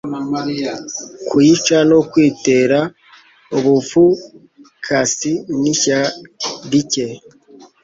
kuyica ni ukwitera ubuvukasi n’ishya rike